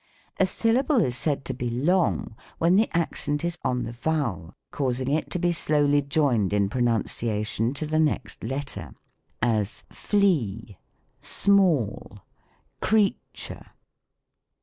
A syllable is said to be long, when the accent is on the vowel, causing it to be slowly joined in pronuncia tion to the next letter: as, "Flea, small, creature."